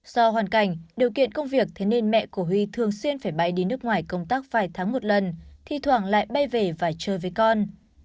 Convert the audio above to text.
do hoàn cảnh điều kiện công việc thế nên mẹ của huy thường xuyên phải bay đi nước ngoài công tác vài tháng một lần thì thoảng lại bay về và chơi với con